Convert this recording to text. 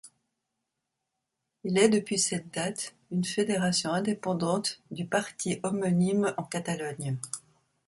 Il est depuis cette date une fédération indépendante du parti homonyme en Catalogne.